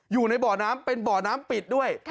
อยู่ในบ่อน้ำเป็นบ่อน้ำปิดด้วย